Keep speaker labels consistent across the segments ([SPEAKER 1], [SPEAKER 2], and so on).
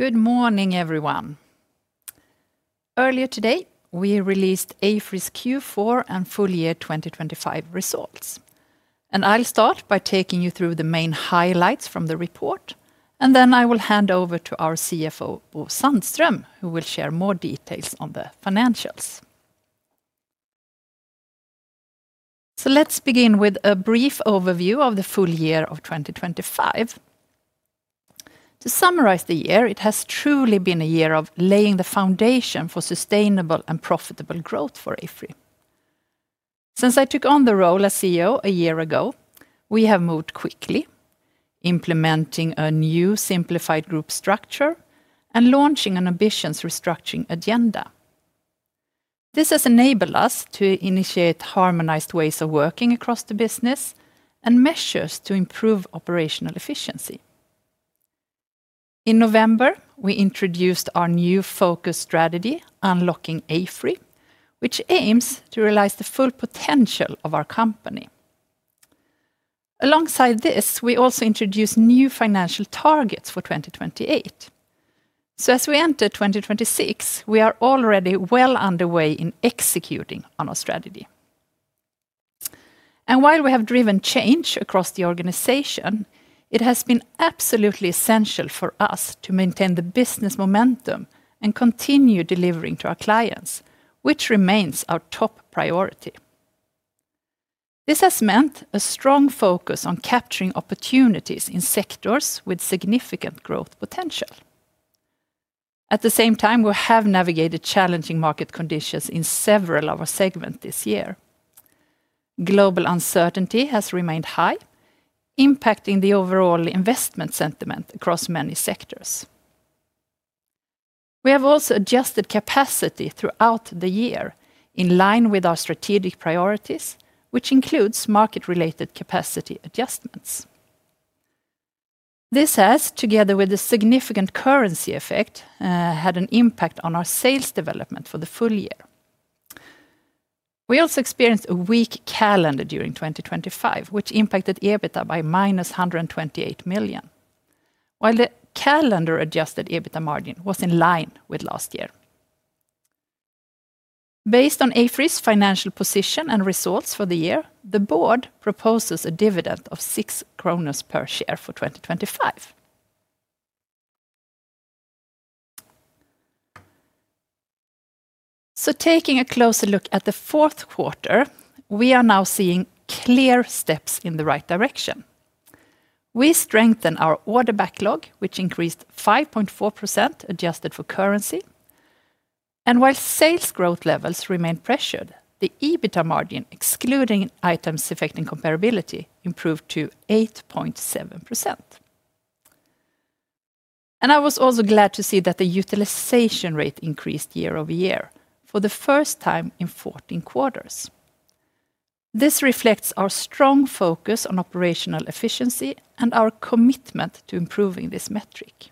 [SPEAKER 1] Good morning, everyone. Earlier today, we released AFRY's Q4 and Full Year 2025 Results. I'll start by taking you through the main highlights from the report, and then I will hand over to our CFO, Bo Sandström, who will share more details on the financials. Let's begin with a brief overview of the full year of 2025. To summarize the year, it has truly been a year of laying the foundation for sustainable and profitable growth for AFRY. Since I took on the role as CEO a year ago, we have moved quickly, implementing a new simplified group structure and launching an ambitious restructuring agenda. This has enabled us to initiate harmonized ways of working across the business and measures to improve operational efficiency. In November, we introduced our new focus strategy, Unlocking AFRY, which aims to realize the full potential of our company. Alongside this, we also introduced new financial targets for 2028. So as we enter 2026, we are already well underway in executing on our strategy. And while we have driven change across the organization, it has been absolutely essential for us to maintain the business momentum and continue delivering to our clients, which remains our top priority. This has meant a strong focus on capturing opportunities in sectors with significant growth potential. At the same time, we have navigated challenging market conditions in several of our segments this year. Global uncertainty has remained high, impacting the overall investment sentiment across many sectors. We have also adjusted capacity throughout the year in line with our strategic priorities, which includes market-related capacity adjustments. This has, together with a significant currency effect, had an impact on our sales development for the full year. We also experienced a weak calendar during 2025, which impacted EBITDA by -128 million, while the calendar-adjusted EBITDA margin was in line with last year. Based on AFRY's financial position and results for the year, the board proposes a dividend of 6 kronor per share for 2025. So taking a closer look at the fourth quarter, we are now seeing clear steps in the right direction. We strengthen our order backlog, which increased 5.4%, adjusted for currency. And while sales growth levels remain pressured, the EBITDA margin, excluding items affecting comparability, improved to 8.7%. And I was also glad to see that the utilization rate increased year-over-year for the first time in 14 quarters. This reflects our strong focus on operational efficiency and our commitment to improving this metric.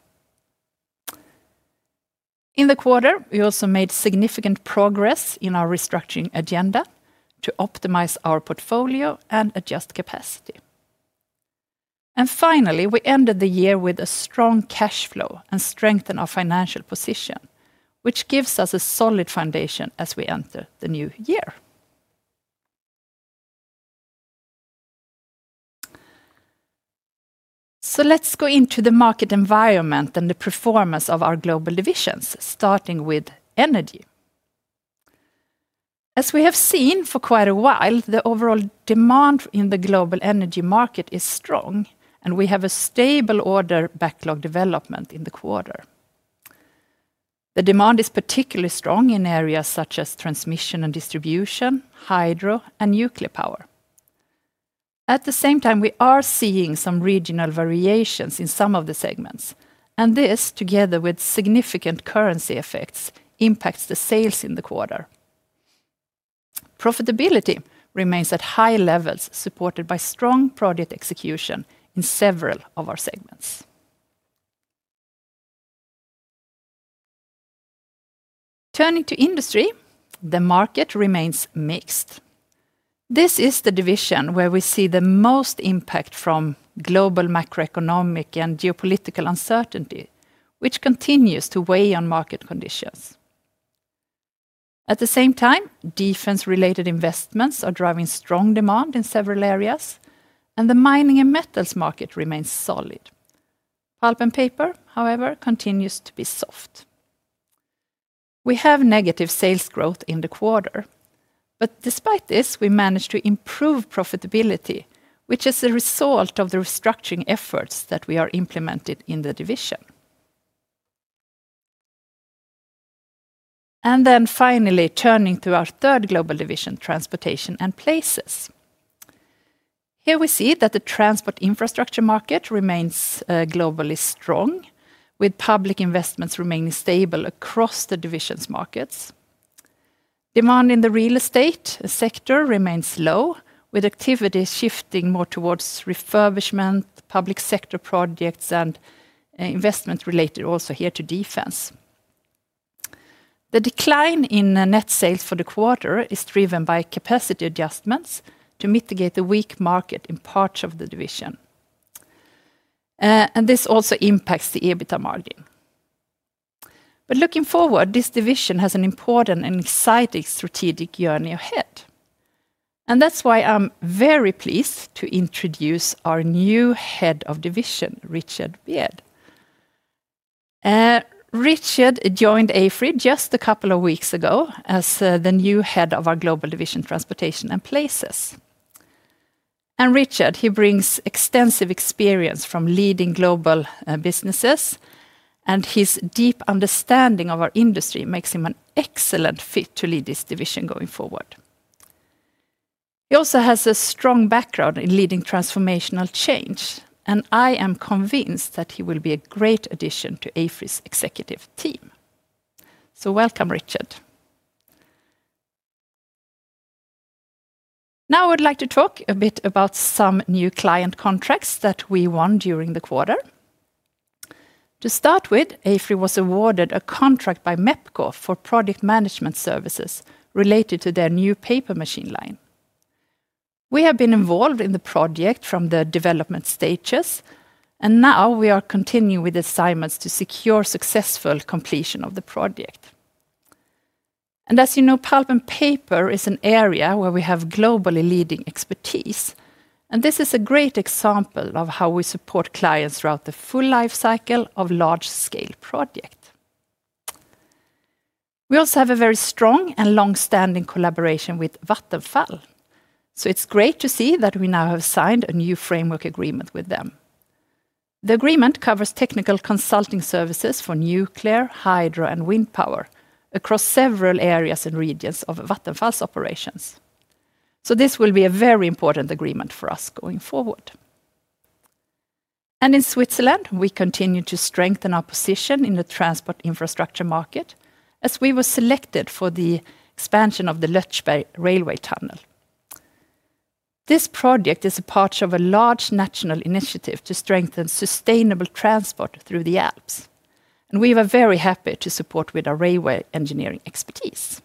[SPEAKER 1] In the quarter, we also made significant progress in our restructuring agenda to optimize our portfolio and adjust capacity. And finally, we ended the year with a strong cash flow and strengthened our financial position, which gives us a solid foundation as we enter the new year. So let's go into the market environment and the performance of our global divisions, starting with energy. As we have seen for quite a while, the overall demand in the global energy market is strong, and we have a stable order backlog development in the quarter. The demand is particularly strong in areas such as transmission and distribution, hydro, and nuclear power. At the same time, we are seeing some regional variations in some of the segments, and this, together with significant currency effects, impacts the sales in the quarter. Profitability remains at high levels, supported by strong project execution in several of our segments. Turning to Industry, the market remains mixed. This is the division where we see the most impact from global macroeconomic and geopolitical uncertainty, which continues to weigh on market conditions. At the same time, defense-related investments are driving strong demand in several areas, and the mining and metals market remains solid. Pulp and paper, however, continues to be soft. We have negative sales growth in the quarter, but despite this, we managed to improve profitability, which is a result of the restructuring efforts that we are implemented in the division. Then finally, turning to our third global division, Transportation and Places. Here we see that the transport infrastructure market remains globally strong, with public investments remaining stable across the division's markets. Demand in the real estate sector remains low, with activities shifting more towards refurbishment, public sector projects, and investment related also here to defense. The decline in net sales for the quarter is driven by capacity adjustments to mitigate the weak market in parts of the division. And this also impacts the EBITDA margin. But looking forward, this division has an important and exciting strategic journey ahead, and that's why I'm very pleased to introduce our new head of division, Richard Beard. Richard joined AFRY just a couple of weeks ago as the new head of our global division, Transportation and Places. And Richard, he brings extensive experience from leading global businesses, and his deep understanding of our industry makes him an excellent fit to lead this division going forward. He also has a strong background in leading transformational change, and I am convinced that he will be a great addition to AFRY's executive team. So welcome, Richard. Now, I would like to talk a bit about some new client contracts that we won during the quarter. To start with, AFRY was awarded a contract by MEPCO for project management services related to their new paper machine line. We have been involved in the project from the development stages, and now we are continuing with assignments to secure successful completion of the project. And as you know, pulp and paper is an area where we have globally leading expertise, and this is a great example of how we support clients throughout the full life cycle of large-scale project. We also have a very strong and long-standing collaboration with Vattenfall, so it's great to see that we now have signed a new framework agreement with them. The agreement covers technical consulting services for nuclear, hydro, and wind power across several areas and regions of Vattenfall's operations. So this will be a very important agreement for us going forward. And in Switzerland, we continue to strengthen our position in the transport infrastructure market as we were selected for the expansion of the Lötschberg Railway Tunnel. This project is a part of a large national initiative to strengthen sustainable transport through the Alps, and we are very happy to support with our railway engineering expertise.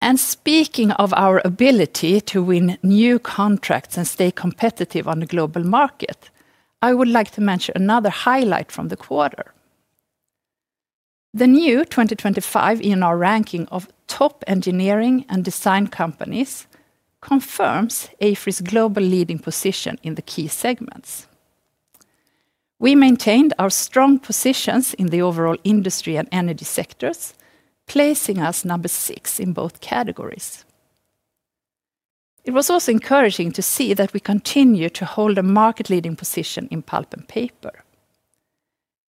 [SPEAKER 1] And speaking of our ability to win new contracts and stay competitive on the global market, I would like to mention another highlight from the quarter. The new 2025 ENR ranking of top engineering and design companies confirms AFRY's global leading position in the key segments. We maintained our strong positions in the overall industry and energy sectors, placing us number six in both categories. It was also encouraging to see that we continue to hold a market-leading position in pulp and paper.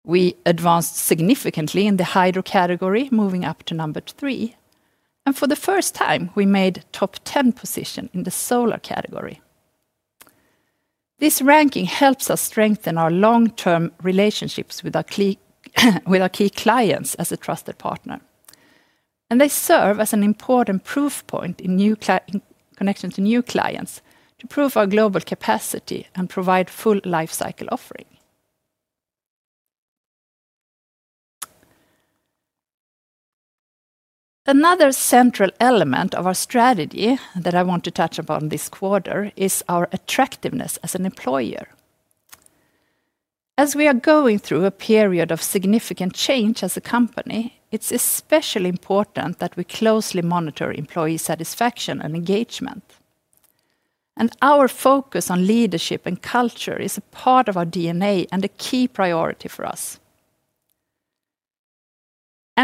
[SPEAKER 1] We advanced significantly in the hydro category, moving up to number three, and for the first time, we made top 10 position in the solar category. This ranking helps us strengthen our long-term relationships with our key clients as a trusted partner, and they serve as an important proof point in connection to new clients to prove our global capacity and provide full life cycle offering. Another central element of our strategy that I want to touch upon this quarter is our attractiveness as an employer. As we are going through a period of significant change as a company, it's especially important that we closely monitor employee satisfaction and engagement. Our focus on leadership and culture is a part of our DNA and a key priority for us.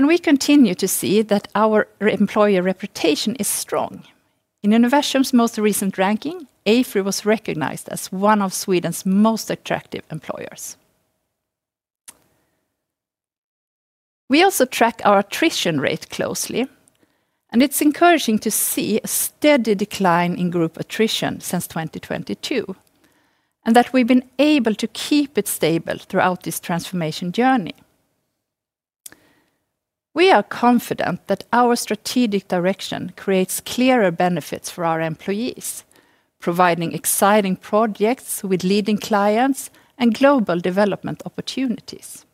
[SPEAKER 1] We continue to see that our employer reputation is strong. In Universum's most recent ranking, AFRY was recognized as one of Sweden's most attractive employers. We also track our attrition rate closely, and it's encouraging to see a steady decline in group attrition since 2022, and that we've been able to keep it stable throughout this transformation journey. We are confident that our strategic direction creates clearer benefits for our employees, providing exciting projects with leading clients and global development opportunities.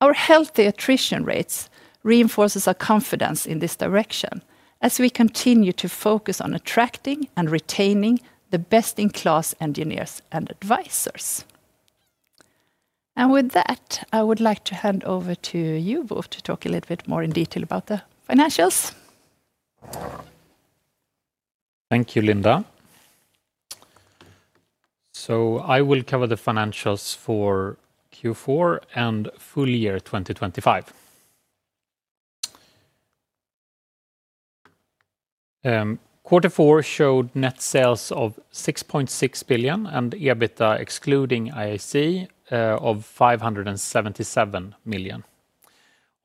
[SPEAKER 1] Our healthy attrition rates reinforces our confidence in this direction as we continue to focus on attracting and retaining the best-in-class engineers and advisors. With that, I would like to hand over to you both to talk a little bit more in detail about the financials.
[SPEAKER 2] Thank you, Linda. I will cover the financials for Q4 and full year 2025. Quarter four showed net sales of 6.6 billion, and EBITDA, excluding IAC, of 577 million.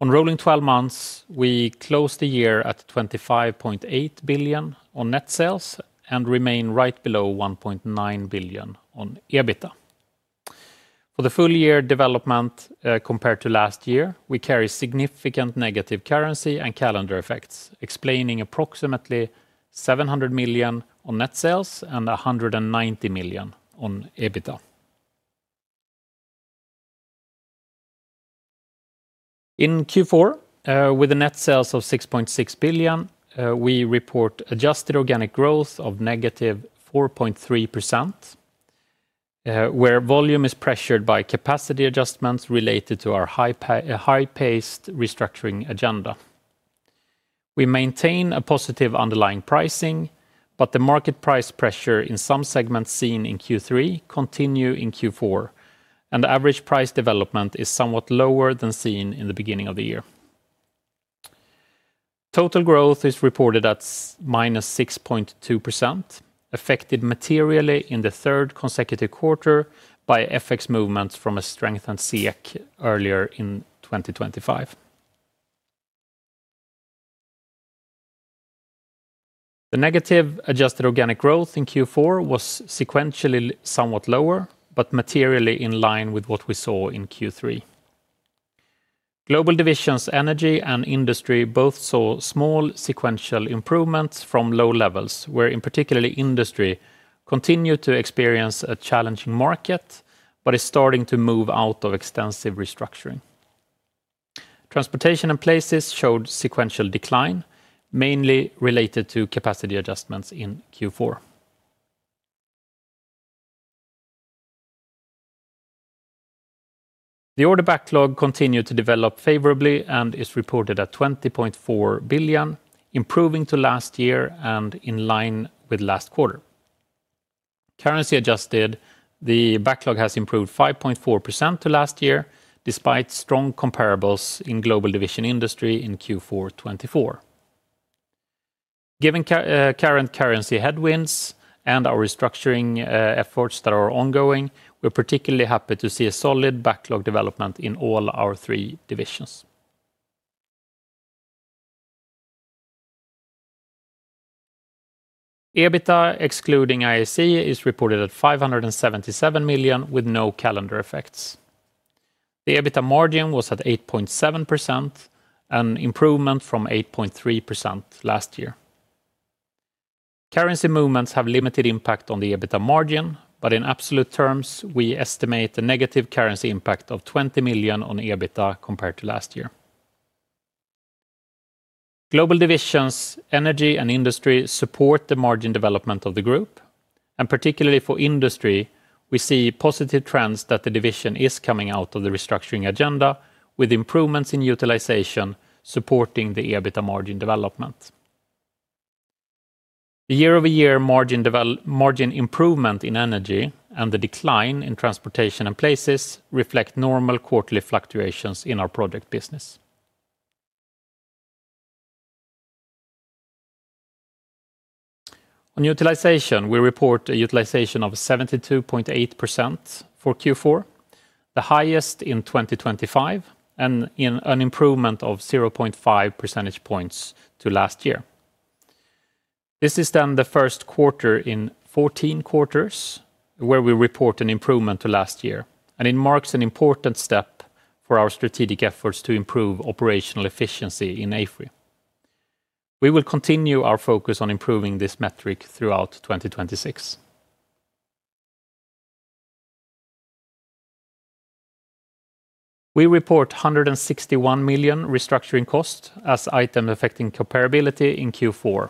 [SPEAKER 2] On rolling twelve months, we closed the year at 25.8 billion on net sales and remain right below 1.9 billion on EBITDA. For the full year development, compared to last year, we carry significant negative currency and calendar effects, explaining approximately 700 million on net sales and 190 million on EBITDA. In Q4, with the net sales of 6.6 billion, we report adjusted organic growth of -4.3%, where volume is pressured by capacity adjustments related to our high-paced restructuring agenda. We maintain a positive underlying pricing, but the market price pressure in some segments seen in Q3 continues in Q4, and the average price development is somewhat lower than seen in the beginning of the year. Total growth is reported at -6.2%, affected materially in the third consecutive quarter by FX movements from a strengthening of the SEK earlier in 2025. The negative adjusted organic growth in Q4 was sequentially somewhat lower, but materially in line with what we saw in Q3. Global divisions, Energy, and Industry both saw small sequential improvements from low levels, where, in particular, Industry continued to experience a challenging market, but is starting to move out of extensive restructuring. Transportation and Places showed sequential decline, mainly related to capacity adjustments in Q4. The order backlog continued to develop favorably and is reported at 20.4 billion, improving to last year and in line with last quarter. Currency adjusted, the backlog has improved 5.4% to last year, despite strong comparables in global division industry in Q4 2024. Given current currency headwinds and our restructuring efforts that are ongoing, we're particularly happy to see a solid backlog development in all our three divisions. EBITDA, excluding IAC, is reported at 577 million, with no calendar effects. The EBITDA margin was at 8.7%, an improvement from 8.3% last year. Currency movements have limited impact on the EBITDA margin, but in absolute terms, we estimate a negative currency impact of 20 million on EBITDA compared to last year. Global divisions, energy, and industry support the margin development of the group, and particularly for industry, we see positive trends that the division is coming out of the restructuring agenda, with improvements in utilization supporting the EBITDA margin development. The year-over-year margin improvement in energy and the decline in Transportation and Places reflect normal quarterly fluctuations in our project business. On utilization, we report a utilization of 72.8% for Q4, the highest in 2025, and an improvement of 0.5 percentage points to last year. This is then the first quarter in 14 quarters, where we report an improvement to last year, and it marks an important step for our strategic efforts to improve operational efficiency in AFRY. We will continue our focus on improving this metric throughout 2026. We report 161 million restructuring costs as item affecting comparability in Q4,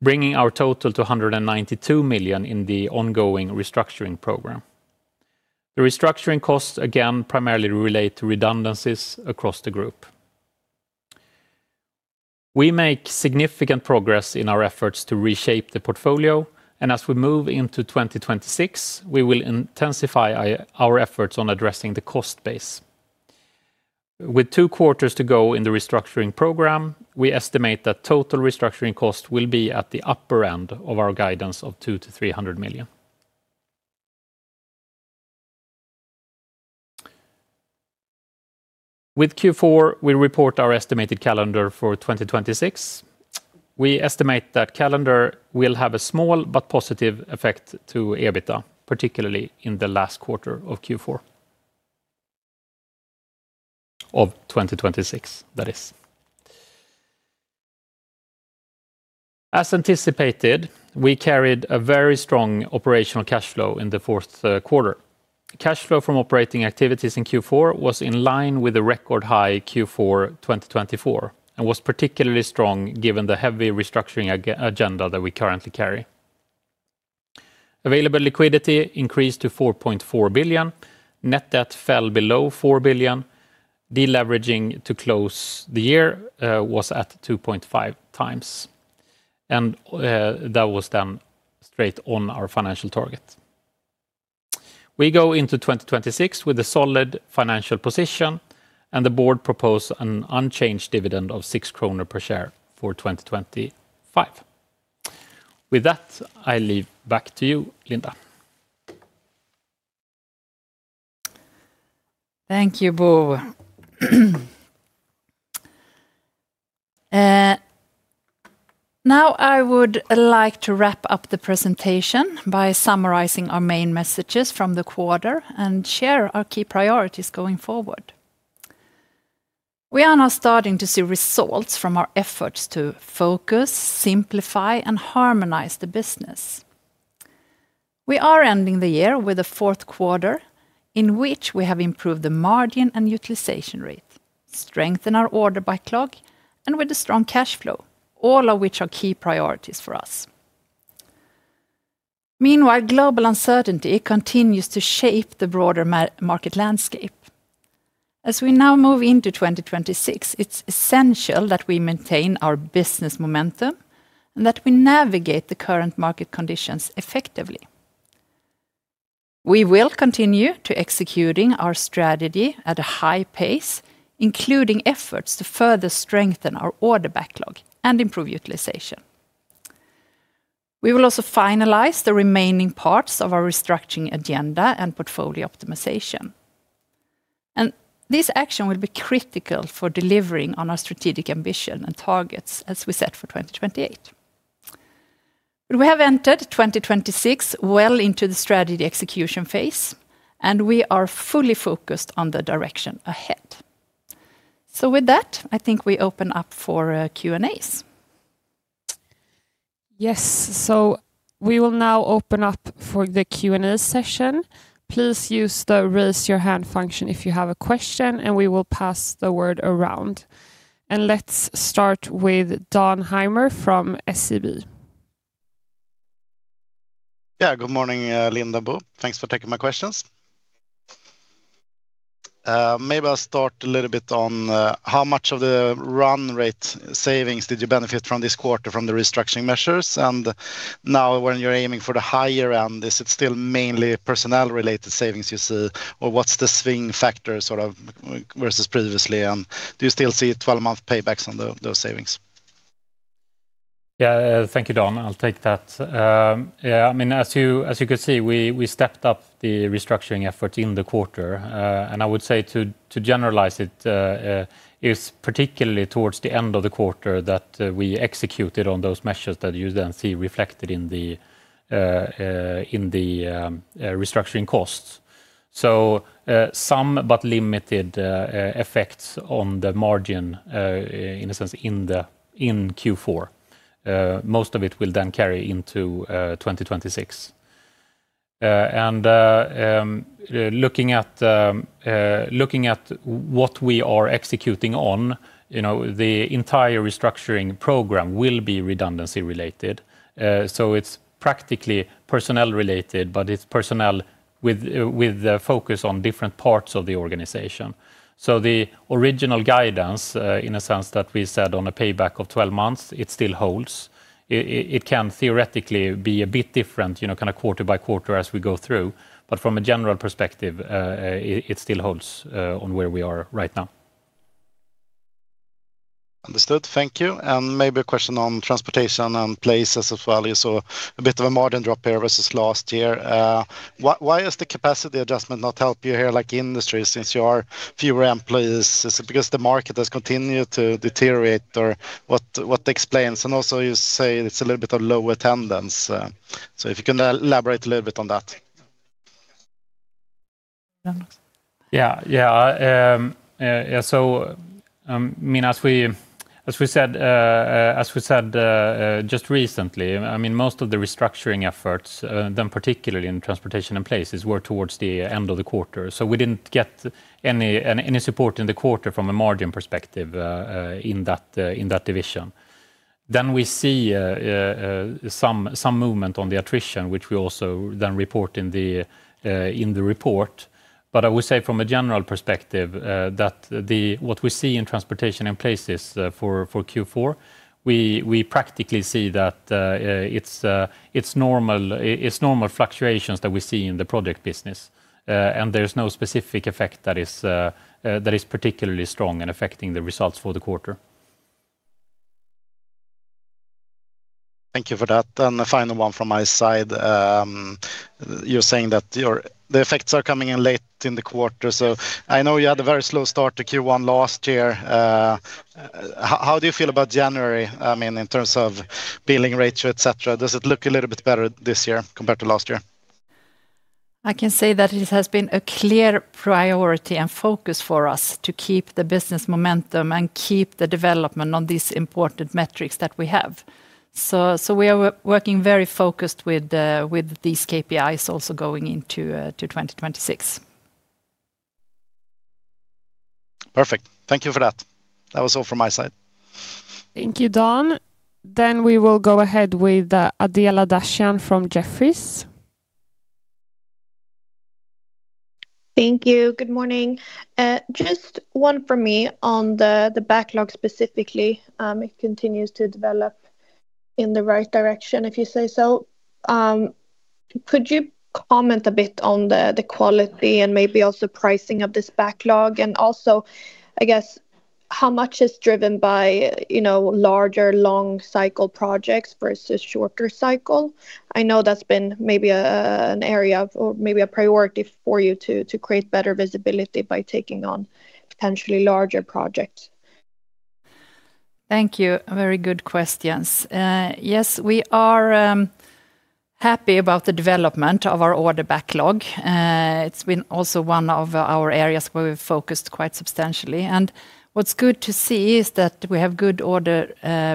[SPEAKER 2] bringing our total to 192 million in the ongoing restructuring program. The restructuring costs, again, primarily relate to redundancies across the group. We make significant progress in our efforts to reshape the portfolio, and as we move into 2026, we will intensify our efforts on addressing the cost base. With two quarters to go in the restructuring program, we estimate that total restructuring cost will be at the upper end of our guidance of 200 million-300 million. With Q4, we report our estimated calendar for 2026. We estimate that calendar will have a small but positive effect to EBITDA, particularly in the last quarter of Q4 of 2026, that is. As anticipated, we carried a very strong operational cash flow in the fourth quarter. Cash flow from operating activities in Q4 was in line with a record-high Q4 2024, and was particularly strong given the heavy restructuring agenda that we currently carry. Available liquidity increased to 4.4 billion. Net debt fell below 4 billion. Deleveraging to close the year was at 2.5 times, and that was done straight on our financial target. We go into 2026 with a solid financial position, and the board proposed an unchanged dividend of 6 kronor per share for 2025. With that, I leave back to you, Linda.
[SPEAKER 1] Thank you, Bo. Now, I would like to wrap up the presentation by summarizing our main messages from the quarter and share our key priorities going forward. We are now starting to see results from our efforts to focus, simplify, and harmonize the business. We are ending the year with a fourth quarter, in which we have improved the margin and utilization rate, strengthen our order backlog, and with a strong cash flow, all of which are key priorities for us. Meanwhile, global uncertainty continues to shape the broader market landscape. As we now move into 2026, it's essential that we maintain our business momentum, and that we navigate the current market conditions effectively. We will continue to executing our strategy at a high pace, including efforts to further strengthen our order backlog and improve utilization. We will also finalize the remaining parts of our restructuring agenda and portfolio optimization. And this action will be critical for delivering on our strategic ambition and targets as we set for 2028. But we have entered 2026 well into the strategy execution phase, and we are fully focused on the direction ahead. So with that, I think we open up for Q&As.
[SPEAKER 3] Yes, so we will now open up for the Q&A session. Please use the Raise Your Hand function if you have a question, and we will pass the word around. Let's start with Dan Heimer from SEB.
[SPEAKER 4] Yeah, good morning, Linda, Bo. Thanks for taking my questions. Maybe I'll start a little bit on how much of the run rate savings did you benefit from this quarter from the restructuring measures? And now, when you're aiming for the higher end, is it still mainly personnel-related savings you see, or what's the swing factor, sort of, versus previously? And do you still see 12-month paybacks on the- those savings?
[SPEAKER 2] Yeah, thank you, Dan. I'll take that. Yeah, I mean, as you can see, we stepped up the restructuring effort in the quarter. And I would say to generalize it, it's particularly towards the end of the quarter that we executed on those measures that you then see reflected in the restructuring costs. So, some, but limited, effects on the margin, in a sense, in Q4. Most of it will then carry into 2026. And, looking at what we are executing on, you know, the entire restructuring program will be redundancy related. So it's practically personnel related, but it's personnel with the focus on different parts of the organization. So the original guidance, in a sense, that we set on a payback of 12 months, it still holds. It can theoretically be a bit different, you know, kind of quarter by quarter as we go through, but from a general perspective, it still holds on where we are right now.
[SPEAKER 4] Understood. Thank you. And maybe a question on Transportation and Places as well. You saw a bit of a margin drop here versus last year. Why, why is the capacity adjustment not help you here, like industry, since you are fewer employees? Is it because the market has continued to deteriorate, or what, what explains? And also, you say it's a little bit of low attendance, so if you can elaborate a little bit on that.
[SPEAKER 1] Yeah.
[SPEAKER 2] Yeah, yeah. Yeah, so, I mean, as we said just recently, I mean, most of the restructuring efforts, then particularly in Transportation and Places, were toward the end of the quarter. So we didn't get any support in the quarter from a margin perspective, in that division. Then we see some movement on the attrition, which we also then report in the report. But I would say from a general perspective, that the What we see in Transportation and Places, for Q4, we practically see that, it's normal fluctuations that we see in the project business. There's no specific effect that is particularly strong in affecting the results for the quarter.
[SPEAKER 4] Thank you for that. And the final one from my side, you're saying that the effects are coming in late in the quarter, so I know you had a very slow start to Q1 last year. How do you feel about January, I mean, in terms of billing rates, et cetera? Does it look a little bit better this year compared to last year?
[SPEAKER 1] I can say that it has been a clear priority and focus for us to keep the business momentum and keep the development on these important metrics that we have. So we are working very focused with these KPIs also going into 2026.
[SPEAKER 4] Perfect. Thank you for that. That was all from my side.
[SPEAKER 3] Thank you, Dan. Then we will go ahead with Adela Dashian from Jefferies.
[SPEAKER 5] Thank you. Good morning. Just one for me on the backlog specifically. It continues to develop in the right direction if you say so. Could you comment a bit on the quality and maybe also pricing of this backlog? And also, I guess, how much is driven by, you know, larger, long cycle projects versus shorter cycle? I know that's been maybe an area of or maybe a priority for you to create better visibility by taking on potentially larger projects.
[SPEAKER 1] Thank you. Very good questions. Yes, we are happy about the development of our order backlog. It's been also one of our areas where we've focused quite substantially. And what's good to see is that we have good order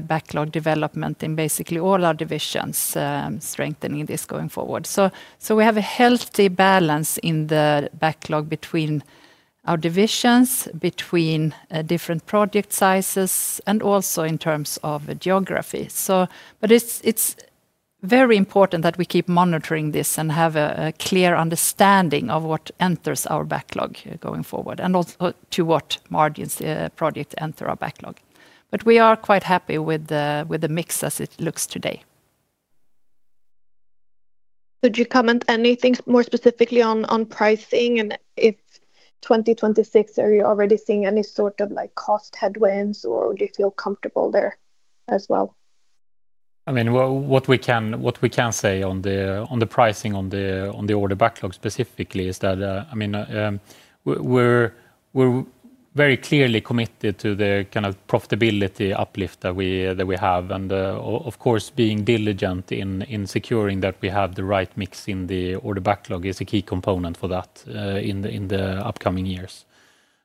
[SPEAKER 1] backlog development in basically all our divisions, strengthening this going forward. So we have a healthy balance in the backlog between our divisions between different project sizes and also in terms of geography. So but it's very important that we keep monitoring this and have a clear understanding of what enters our backlog going forward, and also to what margins project enter our backlog. But we are quite happy with the mix as it looks today.
[SPEAKER 5] Could you comment anything more specifically on, on pricing? And if 2026, are you already seeing any sort of, like, cost headwinds, or do you feel comfortable there as well?
[SPEAKER 2] I mean, well, what we can say on the pricing on the order backlog specifically is that, I mean, we're very clearly committed to the kind of profitability uplift that we have. And, of course, being diligent in securing that we have the right mix in the order backlog is a key component for that, in the upcoming years.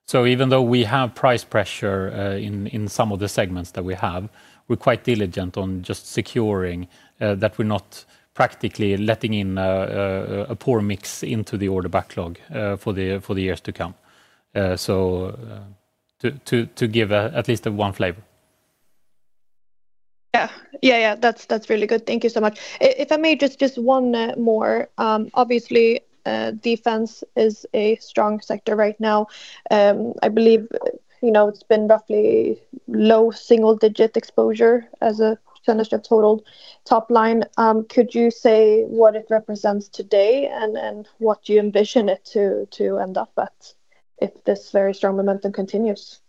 [SPEAKER 2] So even though we have price pressure in some of the segments that we have, we're quite diligent on just securing that we're not practically letting in a poor mix into the order backlog, for the years to come. So, to give at least one flavor.
[SPEAKER 5] Yeah. Yeah, yeah, that's, that's really good. Thank you so much. If I may, just, just one more. Obviously, defense is a strong sector right now. I believe, you know, it's been roughly low single-digit exposure as a percentage of total top line. Could you say what it represents today, and, and what you envision it to, to end up at, if this very strong momentum continues?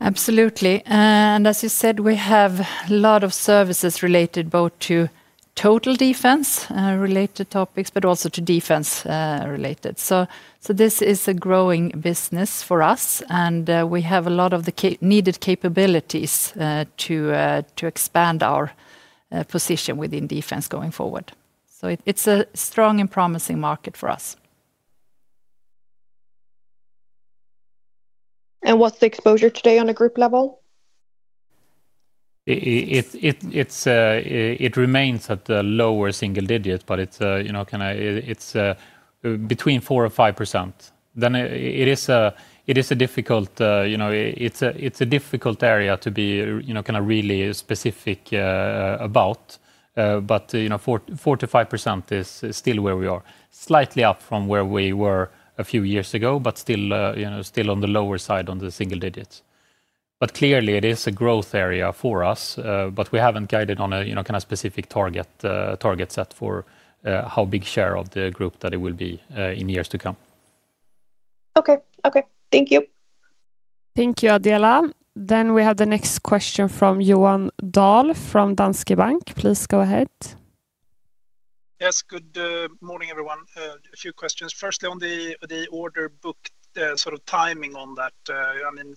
[SPEAKER 1] Absolutely. And as you said, we have a lot of services related both to total defense related topics, but also to defense related. So this is a growing business for us, and we have a lot of the needed capabilities to expand our position within defense going forward. So it's a strong and promising market for us.
[SPEAKER 5] What's the exposure today on a group level?
[SPEAKER 2] It remains at the lower single digits, but it's, you know, kinda between 4% and 5%. Then it is a difficult area to be, you know, kinda really specific about. But, you know, 4%-5% is still where we are. Slightly up from where we were a few years ago, but still, you know, still on the lower side, on the single digits. But clearly, it is a growth area for us, but we haven't guided on a, you know, kind of specific target set for how big share of the group that it will be in years to come.
[SPEAKER 5] Okay. Okay, thank you.
[SPEAKER 3] Thank you, Adela. Then we have the next question from Johan Dahl from Danske Bank. Please go ahead.
[SPEAKER 6] Yes, good morning, everyone. A few questions. Firstly, on the order book, sort of timing on that, I mean,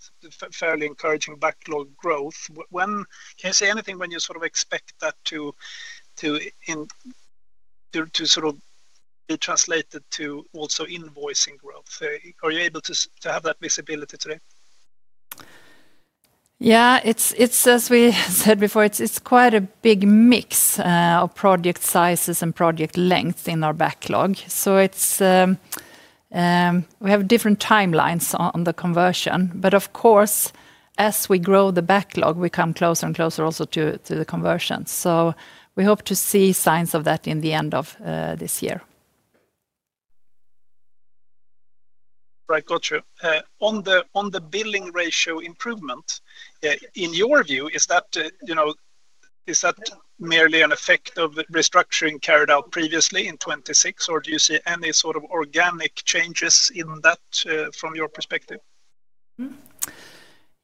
[SPEAKER 6] fairly encouraging backlog growth. When can you say anything when you sort of expect that to sort of be translated to also invoicing growth? Are you able to have that visibility today?
[SPEAKER 1] Yeah, as we said before, it's quite a big mix of project sizes and project length in our backlog. So we have different timelines on the conversion, but of course, as we grow the backlog, we come closer and closer also to the conversion. So we hope to see signs of that in the end of this year.
[SPEAKER 6] Right. Gotcha. On the billing ratio improvement, in your view, is that, you know, is that merely an effect of restructuring carried out previously in 2026, or do you see any sort of organic changes in that, from your perspective?
[SPEAKER 1] Mm-hmm.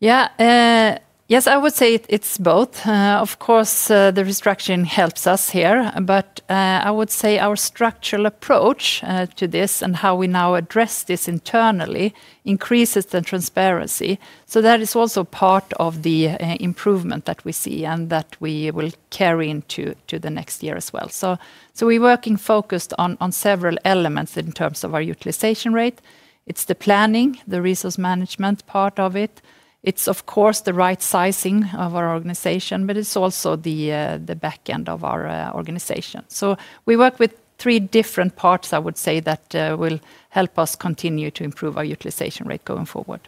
[SPEAKER 1] Yeah, yes, I would say it's both. Of course, the restructuring helps us here, but I would say our structural approach to this and how we now address this internally increases the transparency. So that is also part of the improvement that we see and that we will carry into the next year as well. So we're working focused on several elements in terms of our utilization rate. It's the planning, the resource management part of it. It's, of course, the right sizing of our organization, but it's also the back end of our organization. So we work with three different parts, I would say, that will help us continue to improve our utilization rate going forward.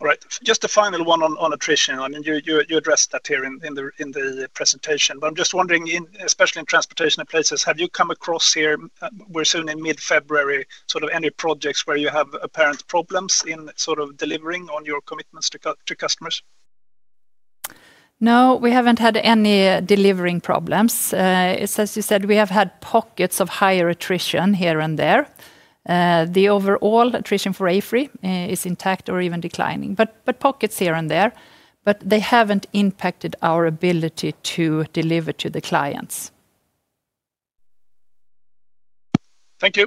[SPEAKER 6] All right. Just a final one on attrition. I mean, you addressed that here in the presentation. But I'm just wondering, in especially in Transportation and Places, have you come across here, we're soon in mid-February, sort of any projects where you have apparent problems in sort of delivering on your commitments to customers?
[SPEAKER 1] No, we haven't had any delivering problems. It's as you said, we have had pockets of higher attrition here and there. The overall attrition for AFRY is intact or even declining. But, but pockets here and there, but they haven't impacted our ability to deliver to the clients.
[SPEAKER 6] Thank you.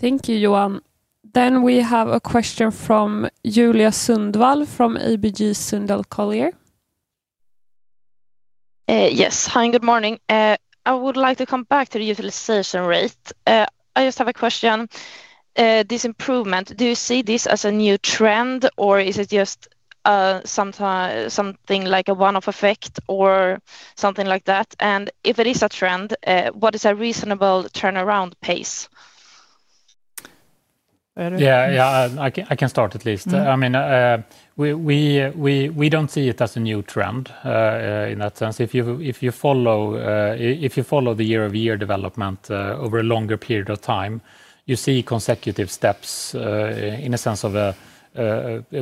[SPEAKER 3] Thank you, Johan. Then we have a question from Julia Sundvall from ABG Sundal Collier.
[SPEAKER 7] Yes. Hi, and good morning. I would like to come back to the utilization rate. I just have a question. This improvement, do you see this as a new trend, or is it just something like a one-off effect or something like that? And if it is a trend, what is a reasonable turnaround pace?
[SPEAKER 2] Yeah, I can start at least.
[SPEAKER 7] Mm-hmm.
[SPEAKER 2] I mean, we don't see it as a new trend, in that sense. If you follow the year-over-year development over a longer period of time, you see consecutive steps in a sense of a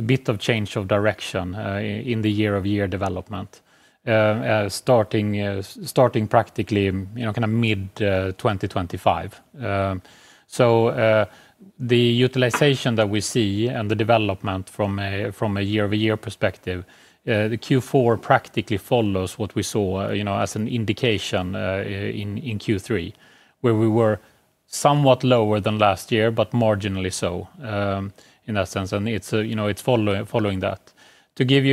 [SPEAKER 2] bit of change of direction in the year-over-year development, starting practically, you know, kind of mid-2025. So, the utilization that we see and the development from a year-over-year perspective, the Q4 practically follows what we saw, you know, as an indication in Q3, where we were somewhat lower than last year, but marginally so, in that sense. And it's, you know, it's following that. To give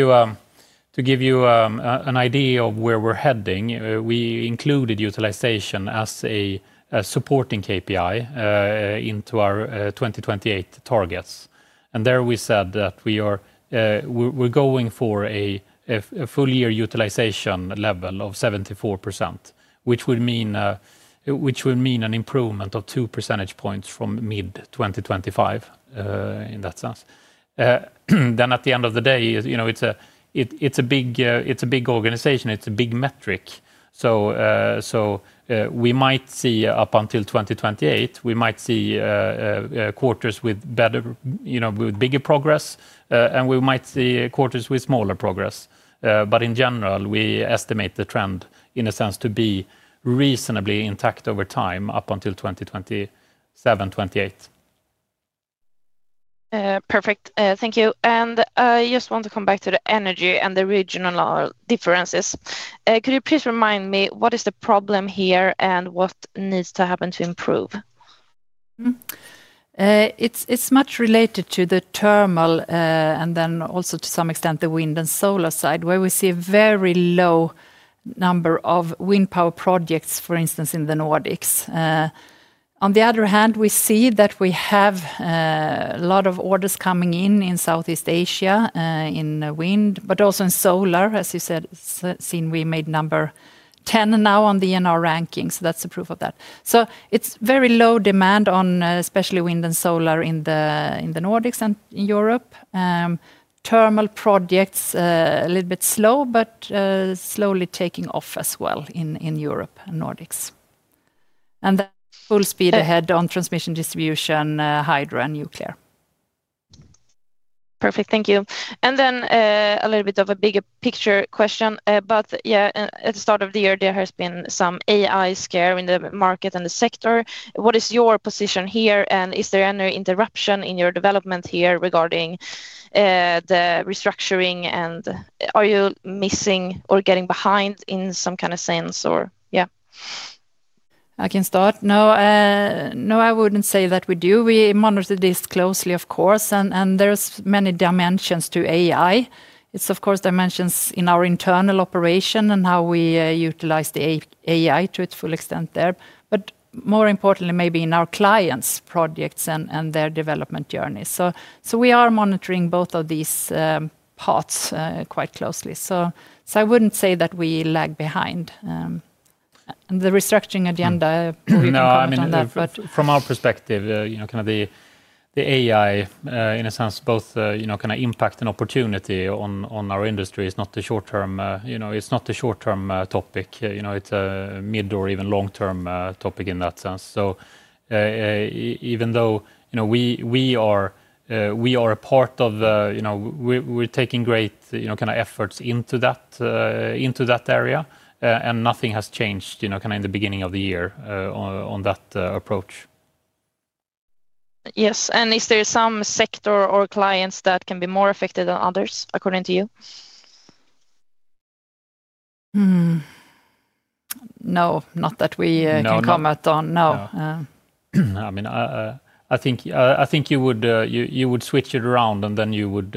[SPEAKER 2] you an idea of where we're heading, we included utilization as a supporting KPI into our 2028 targets. There we said that we're going for a full year utilization level of 74%, which would mean an improvement of two percentage points from mid-2025, in that sense. Then at the end of the day, you know, it's a big organization, it's a big metric. We might see up until 2028, we might see quarters with better, you know, with bigger progress, and we might see quarters with smaller progress. In general, we estimate the trend, in a sense, to be reasonably intact over time, up until 2027-2028.
[SPEAKER 7] Perfect. Thank you. And I just want to come back to the energy and the regional differences. Could you please remind me, what is the problem here, and what needs to happen to improve?
[SPEAKER 1] Mm-hmm. It's much related to the thermal, and then also to some extent, the wind and solar side, where we see a very low number of wind power projects, for instance, in the Nordics. On the other hand, we see that we have a lot of orders coming in in Southeast Asia, in wind, but also in solar, as you said. So it seemed we made number 10 now on the ENR rankings, so that's the proof of that. So it's very low demand on, especially wind and solar in the Nordics and Europe. Thermal projects, a little bit slow, but slowly taking off as well in Europe and Nordics. And then full speed ahead-
[SPEAKER 7] Okay
[SPEAKER 1] On transmission, distribution, hydro and nuclear.
[SPEAKER 7] Perfect. Thank you. And then, a little bit of a bigger picture question. But yeah, at the start of the year, there has been some AI scare in the market and the sector. What is your position here, and is there any interruption in your development here regarding the restructuring? And are you missing or getting behind in some kind of sense, or yeah?
[SPEAKER 1] I can start. No, no, I wouldn't say that we do. We monitor this closely, of course, and there's many dimensions to AI. It's of course dimensions in our internal operation and how we utilize the AI to its full extent there, but more importantly, maybe in our clients' projects and their development journey. So we are monitoring both of these paths quite closely. So I wouldn't say that we lag behind. And the restructuring agenda-
[SPEAKER 2] No, I mean-
[SPEAKER 1] But-
[SPEAKER 2] From our perspective, you know, kind of the AI, in a sense, both, you know, kind of impact and opportunity on our industry is not the short term, you know, it's not the short-term topic. You know, it's a mid or even long-term topic in that sense. So, even though, you know, we are a part of the, you know, we're taking great, you know, kind of efforts into that area, and nothing has changed, you know, kind of in the beginning of the year, on that approach.
[SPEAKER 7] Yes. Is there some sector or clients that can be more affected than others, according to you?
[SPEAKER 1] Hmm. No, not that we,
[SPEAKER 2] No
[SPEAKER 1] Can comment on, no.
[SPEAKER 2] Yeah.
[SPEAKER 1] Uh.
[SPEAKER 2] I mean, I think you would switch it around, and then you would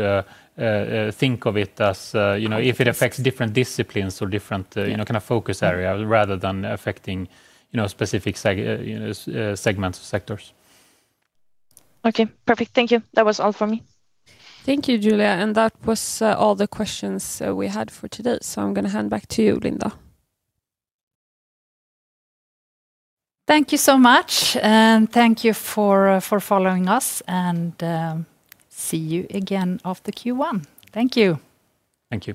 [SPEAKER 2] think of it as, you know-
[SPEAKER 1] Of course
[SPEAKER 2] If it affects different disciplines or different,
[SPEAKER 1] Yeah
[SPEAKER 2] You know, kind of focus area, rather than affecting, you know, specific segments or sectors.
[SPEAKER 7] Okay, perfect. Thank you. That was all for me.
[SPEAKER 3] Thank you, Julia, and that was all the questions we had for today, so I'm going to hand back to you, Linda.
[SPEAKER 1] Thank you so much, and thank you for following us, and see you again after Q1. Thank you.
[SPEAKER 2] Thank you.